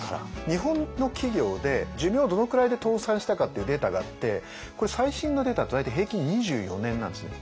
日本の企業で寿命どのくらいで倒産したかっていうデータがあってこれ最新のデータだと大体平均２４年なんですね。